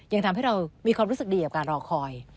ยังทำให้เรามีความรู้สึกดีกับการรอคอย